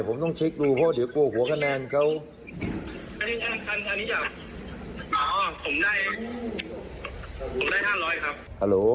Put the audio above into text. ผมต้องชิคดูเดี๋ยวกลัวหัวคะแนนเขา